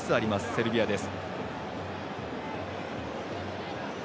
セルビアです。